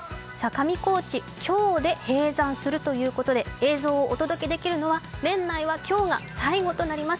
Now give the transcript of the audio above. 上高地、今日で閉山するということで映像をお届けできるのは年内は今日が最後となります。